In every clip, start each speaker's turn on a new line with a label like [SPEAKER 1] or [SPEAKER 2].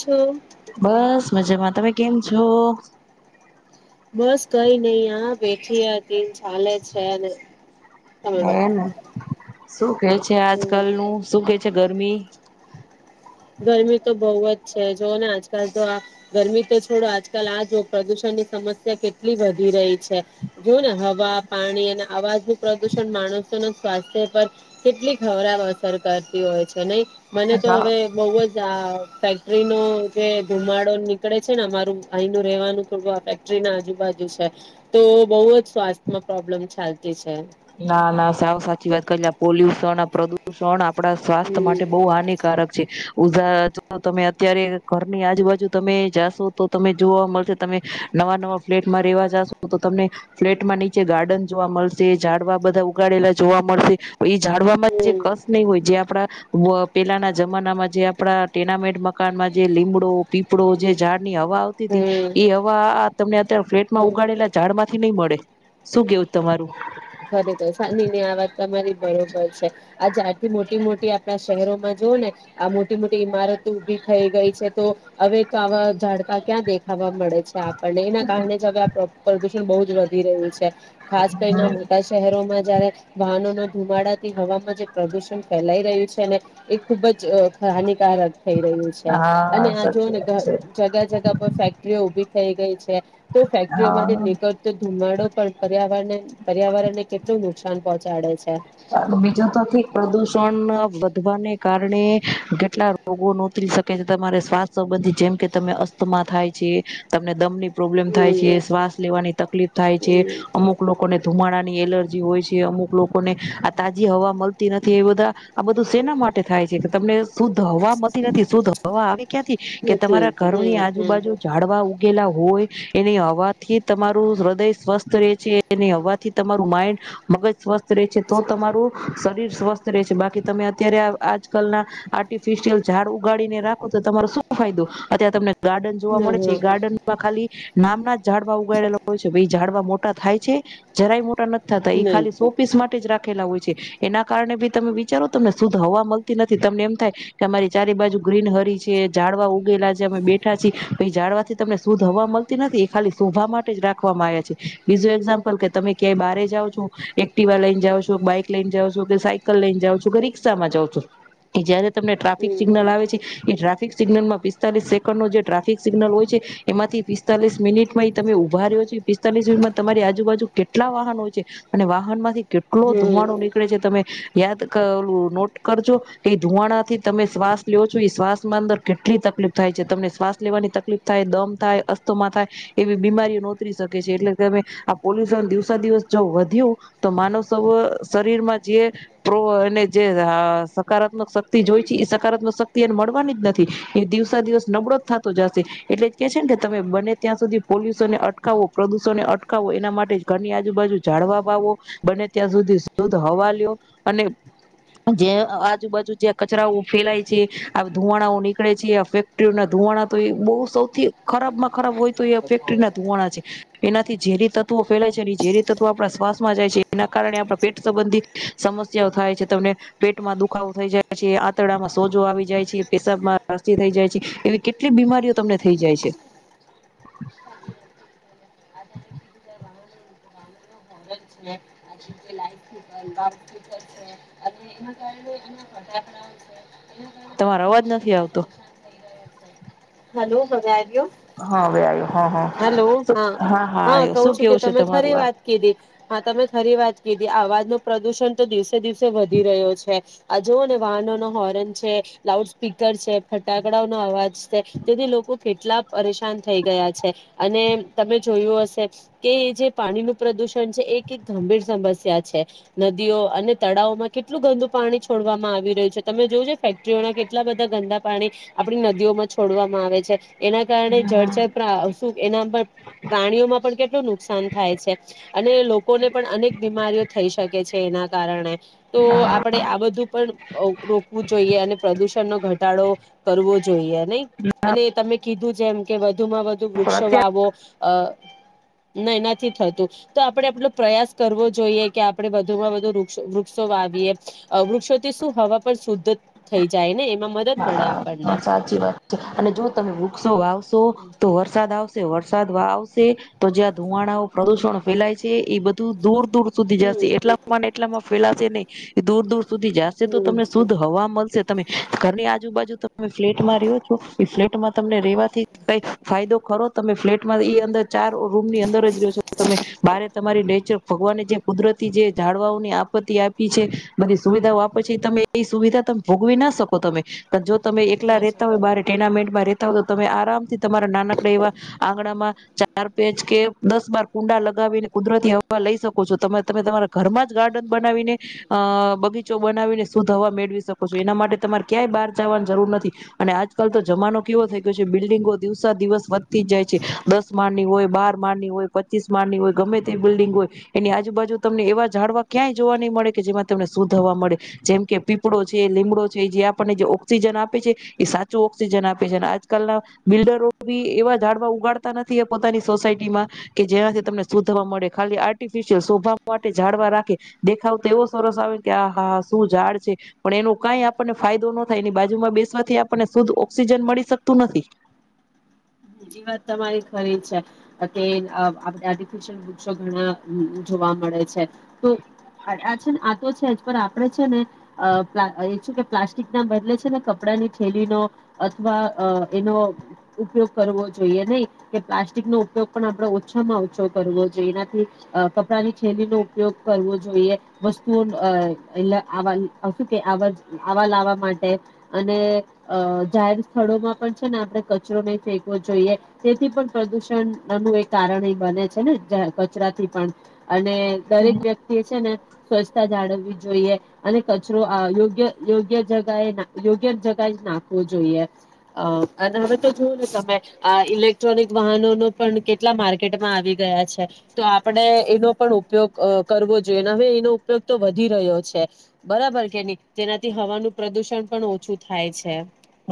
[SPEAKER 1] જો.
[SPEAKER 2] બસ મજામાં તમે કેમ છો?
[SPEAKER 1] બસ કઈ નઈ આ બેઠી હતી ચાલે છે. તમે
[SPEAKER 2] હને
[SPEAKER 1] બતાવો
[SPEAKER 2] શું કે છે આજ
[SPEAKER 1] હમ
[SPEAKER 2] કલ નું શું કેછ. છે ગરમી
[SPEAKER 1] ગરમી તો બહુ જ છે જોઓ ને આજકાલ તો આ ગરમી તો છોડો આજકાલ આ જો પ્રદુષણની સમસ્યા કેટલી વધી રહી છે જો ને હવા પાણી અને અવાજ ન પ્રદુષણ માણસોના સ્વાસ્થ્ય પર કેટલી ખરાવ અસર કરતી હોય છે નહી. મને તો હવે. આ ફેક્ટરી નો જે ધુમાડો નીકળે છે ને અમારું ભાઈ નું રેવાનું થોડું આ ફેક્ટરી ના આજુબાજુ છે તો બહુ જ સ્વાસ્થ્યમાં પ્રોબ્લેમ ચાલ
[SPEAKER 2] ના ના સાવ સાચી વાત કરી લ પોલ્યુશન પ્રદૂષણ આપ આપણા સ્વાસ્થ્ય
[SPEAKER 1] હમ.
[SPEAKER 2] માટે બહુ હાનિકારક છે. ઉધા તમે અત્યારે ઘરની આજુબાજુ તમે જાશો તો તમે જોવા મળશે તમે નવા નવા ફ્લેટમાં રેવા જાશો તો તમને ફ્લેટમાં નીચે ગાર્ડન જોવા મળશે. ઝાડવા બધા ઉગાડેલા જોવા મળશે. એ જાડવામાં જે
[SPEAKER 1] હમ
[SPEAKER 2] કસ નહી હોય જે આપડા પેલાના જમાનામાં જે આપડા ટેનામેટ મકાનમાં જે લીમડો પીપળો જે ઝાડ ની હવા આવતી
[SPEAKER 1] હમ
[SPEAKER 2] હતી એ હવા તમને અત્યારે ફ્લેટ માં
[SPEAKER 1] હમ.
[SPEAKER 2] ઉગાેલા ઝાડમાં થી નહી મળે શું કેવું તમારું
[SPEAKER 1] ખરેખર સાન ની આ વાત તમારી બરોબર છે. આ ઝડ થી મોટી મોટી આપણા શહેરોમાં જોઓ ને આ મોટી મોટી ઈમારતો ઉભી થઈ ગઈ છે તો હવે તો આવા ઝાડકા ક્યાં દેખાવા મળે છે આપણને એના કારણે જ હવે પ્રદુષણ બહુ જ વધ ધી રહ્યું છે. ખાસ કરી ના રોમાં જારે વાહનોના ધુમાડાથી હવામાં જે પ્રદુષણ ફેલાઈ રહ્યું છે ને એ ખુબજ અ હાની કાર થઈ રહ્યું છે અને
[SPEAKER 2] હા
[SPEAKER 1] આ જો
[SPEAKER 2] સાચી
[SPEAKER 1] ને
[SPEAKER 2] વાત છે
[SPEAKER 1] જગા-જગા પર ફેક્ટરીઓ ઉભી થઈ ગઈ છે. તો ફેક્ટરીઓમાં
[SPEAKER 2] હા
[SPEAKER 1] નીકળતો ધુમાડો. પણ પર્યાવરણ.. પર્યાવરણ ને કેટલું નુકસાન પહોંચાડે છે.
[SPEAKER 2] બીજું તોથી પ્રદુષણ વધવાને કારણે કેટલા રોગો નોતરી શકે છે તમારે સ્વસ્થ સંબંધી જેમ કે તમે અસ્તથમાં થાય છે તમને દમની. પ્રોબ્લેમ થાય છે,
[SPEAKER 1] હમ
[SPEAKER 2] શ્વાસ લેવાની તકલીફ થાય છે
[SPEAKER 1] હમ
[SPEAKER 2] અમુક લોકોને ધુમાડા ની એલર્જી હોય છે અમુક લોકોને આ તાજી હવા મલતી નથી એ બધા આ બધું સેના માટે થાય છે કે તમને શુદ્ધ હવા મતી નથી શુદ્ધ હવા આવી ક્યાંથી કે
[SPEAKER 1] નથી
[SPEAKER 2] તમારા ઘરની
[SPEAKER 1] હમ હમ
[SPEAKER 2] આજુબાજુ જાડવા ઉ ગેલા હોય એની હવાથી તમારું હૃદય સ્વસ્થ રે છે એને હવાથી તમારું માઈન્ડ મગજ સ્વસ્થ રે છે તો તમારું શરીર સ્વસ્થ રે છે બાકી તમે અત્યારે આ આજકલના આર્ટિફિશિયલ ઝાડ ઉગાડીને રાખો તો તમારો શું ફાયદો, અત્યારે તમને ગાર્ડન જોવા
[SPEAKER 1] ના
[SPEAKER 2] મળે છે
[SPEAKER 1] હા
[SPEAKER 2] એ ગાર્ડનમાં ખાલી નામના જ ઝાડવા ઉગાડેલા હોય છે ભાઈ ઝાડવા મોટા થાય છે, જરાય મો ટા નથ થાતા, એ
[SPEAKER 1] નહી
[SPEAKER 2] ખાલી સો પીસ મા તેજ રાખેલા હોય છે, એના કારણે જો તમે વિચારો તમને શુદ્ધ હવા મળતી નથી તમને એમ થાય કે અમારી ચારે બાજુ ગ્રીનહરી છે જાડવા ઉગેલા છે અમે બેઠા છીએ જાડવાથી તમને શુદ્ધ હવા મલતી નથી એ ખાલી શોભા માટે જ રાખવામાં આયા છે, બીજું એક્ઝામ્પલ કે તમે ક્યાંય બારે જાઓ છો એક્ટિવા લઇન જાઓ છો, ક બાઈક લઈન જાાવો છો, ક સાઇકલ લઈને જાાવો છો, કે રિક્ષામાં જાાવ છો એ જયારે તમને ટ્રાફિક
[SPEAKER 1] હમ
[SPEAKER 2] સિગ્નલ આવે છે એ ટ્રા ફિક સિગ્નલમાં પિસ્તાલીસ સેકન્ડનો જે ટ્રાફિક સિગ્નલ હોય છે એમાંથી પિસ્તાલીસ મિનિટમાંઈ તમે ઉભા રહ્યો છો પિસ્તાલીસ મિનિટમાં તમારી આજુબાજુ કેટલા વાહન હોય છે અને વાહન માંથી કેટલો
[SPEAKER 1] હમ
[SPEAKER 2] ધુવાડો નીકળે છે તમે યાદ કરવું નોટ કરજો એ ધુંવાડાથી તમે શ્વાસ લ્યો છો એ શ્વાસમાં અંદર કેટલી તકલીફ થાય છે તમને શ્વાસ લેવાની તકલીફ થાય, દમ થાય, અસ્થમાં થાય, એવી બીમારીઓ નોતરી શકે છે એટલે તમે આ પોલ્યુશન દિવસે દિવસ જો વધ્યું તો માનુસ [unintelligible] શરીરમાં જે પ્રો અને જે અ સકારાત્મક શક્તિ જોય છે એ સકારાત્મક શક્તિ એને મળવાની જ નથી એ દિવસા દિવસ નબળો જ થાતો જાશે એટલે જ કે છે ને કે તમે બને ત્યાં સુધી પોલ્યુશનને અટકાવો, પ્રદૂષણને અટકાવો એના માટે જ ઘરની આજુબાજુ જાળવા વાવો બને ત્યાં સુધી શુદ્ધ હવા લ્યો અને જ્યાં આજુબાજુ જ્યાં કચરાઓ ફેલાય છે, આવું ધુંવાડાઓ નીકળે છે, આ ફેક્ટરીઓના ધુંવાડાતો એ બહુ સૌથી ખરાબમાં ખરાબ હોય તો એ ફેક્ટરીના ધુંવાડા છે. એનાથી ઝેરી તત્વો ફેલાય છે અને ઝેરી તત્વો આપણા શ્વાસમાં જાય છે. એના કારણે આપણા પેટ સંબંધીત સમસ્યાઓ થાય છે તમને પેટમાં દુખાવો થઈ જાય છે, આંતરડામાં સોજો આવી જાય છે, પેશાબમાં રસી થઈ જાય છે, એવી કેટલી બીમારીઓ તમને થઈ જાય છે.
[SPEAKER 1] [inaudible] [inaudible] હાથ
[SPEAKER 2] તમારે
[SPEAKER 1] લોકો
[SPEAKER 2] અવાજ નથી
[SPEAKER 1] કેટલા
[SPEAKER 2] આવતો.
[SPEAKER 1] પરેશાન થઈ રહ્યા હલો બધા યો,
[SPEAKER 2] હા હવે આવ્યો હા હા
[SPEAKER 1] હેલો હા હા
[SPEAKER 2] આવ્યો
[SPEAKER 1] કવ
[SPEAKER 2] શું
[SPEAKER 1] છું કે
[SPEAKER 2] કેવું છે
[SPEAKER 1] તમે
[SPEAKER 2] તમારું
[SPEAKER 1] ખરી
[SPEAKER 2] આ
[SPEAKER 1] વાત કીધી હા તમે ખરી વાત કી કે આવાજ નો પ્રદુષણ તો દિવસે દિવસે વધી રહ્યો છે, આ જુઓ ને વાહનો નો હોરન, છે લાઉડ સ્પીકર છે, ફટાકડાઓ નો અવાજ છે, તેથી લોકો કેટલા પરેશાન થઈ ગયા છે, અને તમે જોયું હશે કે એ જે પાણી નું પ્રદુષણ છે એ એક ગંભીર સમસ્યા છે. નદીઓ, અને તળાવોમાં કેટલું ગંદુ પાણી છોડવામાં આવી રહ્યું છે તમે જોજો ફેક્ટરીઓના કેટલા બધા ગંદા પાણી આપણી નદીઓમાં છોડવામાં આવે છે. એના કારણે જળજતરા સુ એના પ પ્રાણીઓમાં પણ કેટલું નુકસાન થાય છે અને લોકોને પણ અનેક બીમારીઓ થઈ શકે છે એના કારણે. તો આપણેે આ બધું પણ અ રોકવું જોઈએ અને પ્રદુષણ નો ઘટાડો કરવો જોઈએ. નહી અને તમે કીધું છે એમ કે વધુમાં વધુ
[SPEAKER 2] પણ
[SPEAKER 1] વૃક્ષો
[SPEAKER 2] અત્યારે
[SPEAKER 1] વાવો અ નઈ નથી થતું તો આપડે આપડો પ્રયાસ કરવો જોઈએ કે આપણે વધુમાં વધુ વૃક્ષ વૃક્ષો વાવીએ વૃક્ષોથી શું હવા પણ શુદ્ધ થઈ જાય ને એ
[SPEAKER 2] હા હા સાચી વાત છે અને જો તમે વૃક્ષો વાવશો તો વરસાદ આવશે. વરસાદ આવશે તો જ્યાં ધુવાણાઓ પ્રદુષણ ફેલાય છે એ બધું દૂર દૂર સુધી જશે
[SPEAKER 1] હમ
[SPEAKER 2] એટલા મને એટલામાં ફેલાશે નહી ને દૂર દૂર સુધી જશે તો
[SPEAKER 1] હમ
[SPEAKER 2] તમને શુદ્ધ હવા મળશે તમે ઘરની આજુબાજુ તમે ફ્લેટમાં રહો છો એ ફ્લેટમાં તમને રેવાથી કઈ ફાયદો ખરો તમે ફ્લેટમાં એ અંદર ચાર રૂમ ની અંદર જ રહ્યો છો તમે બારે તમારી ને ભગવાનને જે કુદરતી જે જાડવાઓની આપત્તિ આપી છે બધી સુવિધાઓ આપે છે તમે એ સુવિધા તમે ભોગવી ના શકો પ્રથમે [inaudible] જો તમે એકલા રેતા હોય બારે ટુર્નામેન્ટમાં.. તો તો તમે આરામથી તમારા નાનકડા એવા આંગણા માં ચાર પેચ કે દસ બાર કુંડા લગાવીને કુદરતી હવા લઈ શકો છો તમે તમે તમારા ઘરમાં જ ગાર્ડન બનાવીને અ બગીચો બનાવીને શુદ્ધ હવા મેળવી શકો છો એના માટે તમારે ક્યાંય બહાર જવાની જરૂર નથી અને આજકાલ તો જમાનો કેવો થઈ ગયો છે બિલ્ડિંગો દિવસો દિવસ વધતી જ જાય છે દસ માળની હોય બાર માળની હોય પચીસ માળની હોય ગમે તે બિલ્ડિંગ હોય એની આજુબાજુ તમને એવા જાડવા ક્યાંય જોવા નહી મળે કે જેમાં તમને શુદ્ધ હવા મળે જેમ કે પીપળો છે લીમડો જે આપણને ઓક્સિજન આપે છે એ સાચું ઓક્સિજન આપે છે અને આજકાલના બિલ્ડરો બી એવા ઝાડવા ઉગાડતા નથી પોતાની સોસાયટીમાં કે જેનાથી તમને શુદ્ધ થવા મળે ખાલી આર્ટિફિશિયલ શોભાવ માટે ઝાડવા રાખે દેખાવ તો એવો સરસ આવે કે આ હા શું ઝાડ છે પણ એનું કાઈ આપણને ફાયદો ન થાય એની બાજુ માં બેસવાથી આપણને શુદ્ધ ઓક્સિજન મળી શકતું નથી
[SPEAKER 1] બીજી વાત તમારી ખરી છે કે આપણે આર્ટિફિશયલ વૃક્ષોસો ઘણા જોવા મળે છે તો આ છે ને આ તો છે જ પણ આપણે છે ને કે પ્લાસ્ટિક ના બદલે છે ને કપડાની થેલીનો અથવા એનો ઉપયોગ કરવો જોઈએ નહી કે પ્લાસ્ટિક નો ઉપયોગ પણ આપણે ઓછામાં ઓછો કરવો જોઈએ એનાથી કપડાની થેલીનો ઉપયોગ કરવો જોઈએ વસ્તુઓ એટલે શું કે આવા લાવવા માટે અને જાહેર સ્થળોમાં પણ છે ને આપણે કચરો નઈ ફેક જોઈએ તેથી પણ પ્રદુષણ નુ એક કારણ એ બને છે ને કચરાથી પણ અને
[SPEAKER 2] હમ
[SPEAKER 1] દરેક વ્યક્તિ એ છે ને સ્વચ્છતા જાળવ જોઈએ અને કચરો યોગ્ય યોગ્ય જગાએ યોગ્ય જગાએ જ નાખવો જોઈએ અને હવે તો જોવો ને તમે આ ઇલેક્ટ્રોનિક વાહનોનો પણ કેટલા માર્કેટમાં આવી ગયા છે તો આપણે એનો પણ ઉપયોગ કરવો જોઈએ હવે એનો ઉપયોગ તો વધી રહ્યો છે બરાબર કે નહી તેનાથી હવાનું પ્રદુષણ પણ ઓછું થાય છે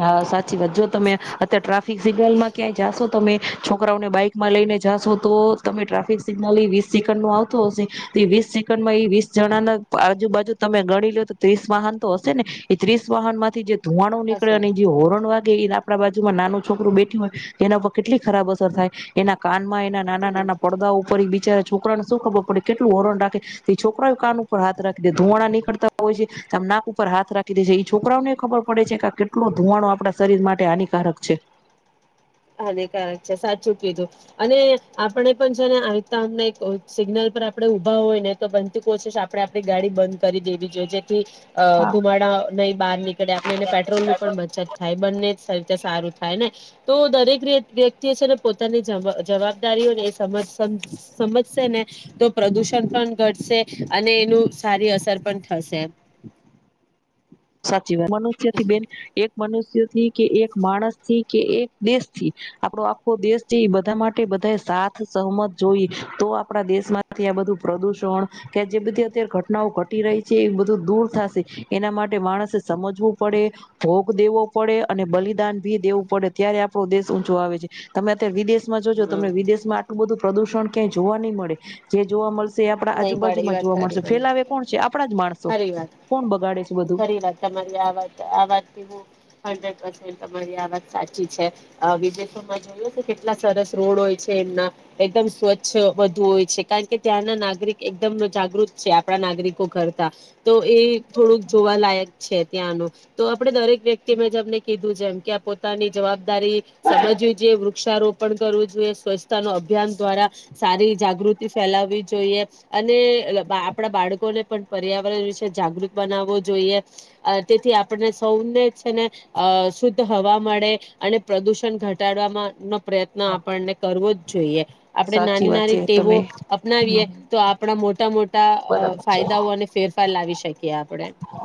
[SPEAKER 2] હા સાચી વાત જો તમે અત્યારે ટ્રાફિક સિગ્નલમાં ક્યાંય જાશો તમે છોકરાઓને બાઈકમાં લઈને જાશો તો તમે ટ્રાફિક સિગ્નલ એ વીસ સેકન્ડ નો આવતો હશે તે વીસ સેકન્ડમાં એ વીસ જણાના આજુ બાાજુ તમે ગણી લો તો ત્રીસ વાહન તો હશે ને એ ત્રીસ વાહન માંથી જે ધુમાડો
[SPEAKER 1] અસર
[SPEAKER 2] અને જે હોરન વાગે એના આપણા બાજુમાં નાનું છોકરું બેઠું હોય તો એના પર કેટલી ખરાબ અસર થાય, એના કાન એમા એના નાના
[SPEAKER 1] હમ
[SPEAKER 2] નાના પડદાઓ ઉપર ભી જયારે છોકરાને શું ખબર પડે કેટલું હોરન રાખે તે છોકરાઓ કાન ઉપર હાથ રાખીદે, ધુમાડા નીકળતા હોય છે આમ નાક ઉપર હાથ રાખી દે છે ઈ છોકરાઓને ખબર પડે છે કે આ કેટલું કેટલો ધુમાડો આપણા શરીર માટે હાનિકારક છે
[SPEAKER 1] હાનિકારક છે સાચું કીધું અને આપણે પણ છે ને આવી રીતે આપણે સિગ્નલ પર આપણે ઉભા હોય ને તો બનતી કોશિશ આપણે આપડી ગાડી બંધ કરી દેવી જોઈએ જે ધુમાડા નહી બહાર નીકળે આપ એને પેટ્રોલ નું પણ બચત થાય બંને સે જે સારું થાય ને તો દરેક વ્યક્તિ છે ને પોતાની જ જવાબદારીઓને સમજશે ને, તો પ્રદુષણ પણ ઘટશે અને એનું સારી અસર પણ થશે.
[SPEAKER 2] સાચી વાત મનુષ્યથી બેન એક મનુષ્ય થી કે એક માણસ થી કે એક દેશથી આપડો આખો દેશ છે, એ બધા માટે બધા સાથ સહમત જોઈએ તો આપણા દેશમાંથી આ બધું પ્રદુષણ કે જે બધી અત્યારે ઘટનાઓ ઘટી રહી છે, એ બધું દૂર થશે એના માટે માણસે સમજવું પડે, ભોગ દેવો પડે અને બલિદાન ભી દેવું પડે ત્યારે આપણો દેશ ઊંચો આવે છે તમાર ત્યાં વિદેશ જો જો
[SPEAKER 1] હા
[SPEAKER 2] તમને વિદેશમાં આટલું બધું પ્રદૂષણ ક્યાંય જોવા નહી મળે, જે જોવા મળસે આપણા
[SPEAKER 1] નહી મળે એ
[SPEAKER 2] આજુબાજુમાં
[SPEAKER 1] વાત
[SPEAKER 2] જોવા
[SPEAKER 1] સારી
[SPEAKER 2] મળશે,
[SPEAKER 1] મને
[SPEAKER 2] ફેલાવે કોણ છે આપણા જ માણસો
[SPEAKER 1] સારી વાત
[SPEAKER 2] કોણ બગાડે છે બધું?
[SPEAKER 1] ખરી વાત તમારી આ વાત આ વાત થી હું હડરેડ પર્સેન્ટ તમારી આ વાત સાચી છે. વિદેશોમાં જોઈએ કેટલા સરસ રોડ હોય છે, એમના એકદમ સ્વચ્છ વધુ હોય છે કારણ કે ત્યાંના નાગરી નાગરિક એકદમ જાગૃત છે આપણા નાગરિકો કરતા તો, એ થોડુંક જોવાલાયક છે ત્યાંનું તો આપણે દરેક વ્યક્તિ મેં તમને કીધું. જેમકે આ પોતાની જવાબદારી સમજવી જોઈએ, વૃક્ષારોપણ કરવું જોઈએ, સ્વચ્છતા નો અભિયાન દ્વારા સારી જાગૃતિ ફેલાવવી જોઈએ. અને આપણા બાળકોને પણ પર્યાવરણ વિશે જાગૃત બનાવવો જોઈએ, તેથી આપને સૌને છે ને અ શુદ્ધ હવા મળે અને પ્રદુષણ ઘટાડવામાં પ્રયત્ન આપણને કરવો જ જોઈએ. આપણેે
[SPEAKER 2] સાચી
[SPEAKER 1] નાની
[SPEAKER 2] વાત
[SPEAKER 1] નાની
[SPEAKER 2] છે
[SPEAKER 1] ટેવો
[SPEAKER 2] તમે
[SPEAKER 1] અપનાવીએ
[SPEAKER 2] હમ
[SPEAKER 1] તો આપણા મોટા મોટા ફાયદાઓ અને ફેર ફેલાવી શકે.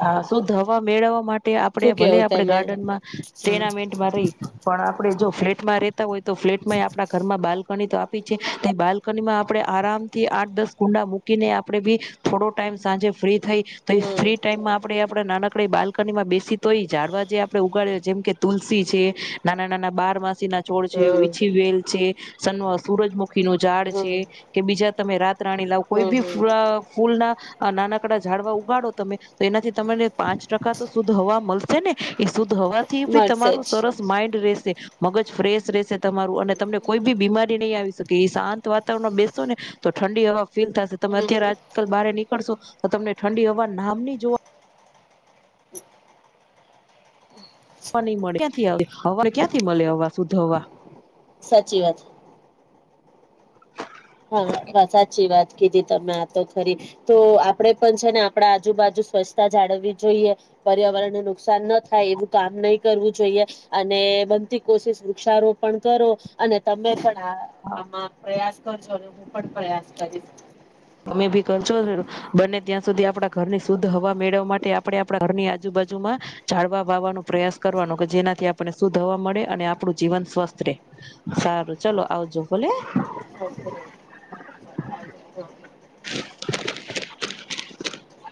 [SPEAKER 2] હા શુદ્ધ હવા મેળવવા માટે આપણે
[SPEAKER 1] શું
[SPEAKER 2] ભલે
[SPEAKER 1] કેવો
[SPEAKER 2] આપણે
[SPEAKER 1] તમે?
[SPEAKER 2] ગાર્ડનમાં
[SPEAKER 1] હમ્મ.
[SPEAKER 2] ટેનામેન્ટમાં રહી, પણ આપે જો ફ્લેટમાં રેતા હોય તો ફ્લેટમાં આપણા ઘરમાં બાલ પણ એ તો આપી છે તે બાલ્કનીમાં આપણે આરામથી આઠ દસ કુંડા મૂકીને આપણે ભી થોડો ટાઈમ સાંજે ફ્રી થઈ ભઈ
[SPEAKER 1] હમ્મ
[SPEAKER 2] ફ્રી ટાઈમમાં આપણે આપણે નાનક આપણે બાલ્કનીમાં બેસી તોય, ઝાડવા જે આપડે ઉગાડ્યા જેમ કે તુલસી છે, નાના નાના બાર મા ના છોળ છે,
[SPEAKER 1] હમ્મ
[SPEAKER 2] વિછી વેલ છે. સન્ સૂરજ મુ [inaudible] [unintelligible] નું ઝાડ છે
[SPEAKER 1] હમ્મ
[SPEAKER 2] કે બીજા તમે રાત રાણી લાવ કોઈ
[SPEAKER 1] હમ્મ
[SPEAKER 2] બી ફ
[SPEAKER 1] હમ્મ
[SPEAKER 2] ફૂલ ના આ નાનાકડા ઝડવા ઉગાડો તમે તો એનાથી તમને પાંચ ટકા તો શુદધ હવા મલ છે ને [inaudible] એ શુદ્ધ હોવાથી બી
[SPEAKER 1] મળશે
[SPEAKER 2] તમારોું
[SPEAKER 1] જ.
[SPEAKER 2] સરસ માઈન્ડ રહેશે મગજ ફ્રેશ રહેશે તમારું, અને તમને કોઈ બી બીમારી નહી, આવી શકે એ શાંત વાતાવરણ બેસો ને તો ઠંડી હવા ફીલ થશે તમે
[SPEAKER 1] હમ્મ
[SPEAKER 2] અત્યારે
[SPEAKER 1] હમ્મ
[SPEAKER 2] આજકાલ ભારે નીકળો. શો તો તમને ઠંડી હવા. નામની જોવા.
[SPEAKER 1] હ.
[SPEAKER 2] હવા, નહી મળે ક્યાંથી મળે હવા શુદ્ધ હવા
[SPEAKER 1] સાચી વાત. હા, સાચી વાત. કીધી તમે આ તો ખરી તો આપડે પણ છે ને આપણા આજુબાજુ સ્વચ્છતા જાળવવી જોઈએ પર્યાવરણને નુકસાન ન, થાય એવું કામ નહી કરવું જોઈએ. અને બનતી કોશિશ વૃક્ષારોપણ કરો અને તમે પણ. હ આમાં પ્રયાસ. ોટ પ્યા [inaudible]
[SPEAKER 2] તમે ભી કરશો બને ત્યાં સુધી આપણા ઘરની શુદ્ધ હવા મેળવવા માટે આપણે આપણા ઘરની આજુબાજુમાં ઝડવા વાવાનો પ્રયાસ કરવાનો કે જેનાથી આપણને શુદ્ધ હવા મળે, અને આપણું જીવન સ્વસ્થ રહેે સારું ચાલ, આવજો ભલે.
[SPEAKER 1] હ [inaudible]
[SPEAKER 2] [inaudible] [unintelligible]